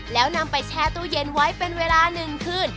แล้วนำไปแช่ตู้เย็นไว้เป็นเวลา๑คืน